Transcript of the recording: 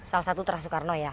salah satu terah soekarno ya